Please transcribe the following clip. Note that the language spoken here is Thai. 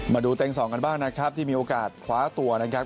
เต็งสองกันบ้างนะครับที่มีโอกาสคว้าตัวนะครับ